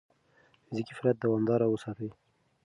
فزیکي فعالیت دوامداره وساتئ.